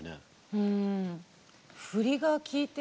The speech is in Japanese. うん。